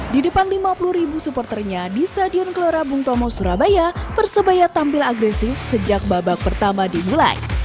di depan lima puluh ribu supporternya di stadion gelora bung tomo surabaya persebaya tampil agresif sejak babak pertama dimulai